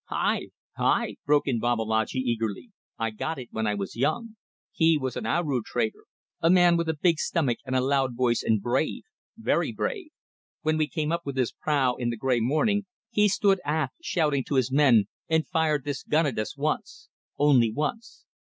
"Hai!" broke in Babalatchi, eagerly. "I got it when I was young. He was an Aru trader, a man with a big stomach and a loud voice, and brave very brave. When we came up with his prau in the grey morning, he stood aft shouting to his men and fired this gun at us once. Only once!"